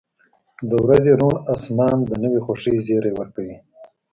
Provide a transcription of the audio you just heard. • د ورځې روڼ آسمان د نوې خوښۍ زیری ورکوي.